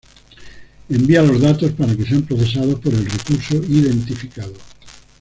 Envía los datos para que sean procesados por el recurso identificado.